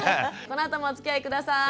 このあともおつきあい下さい。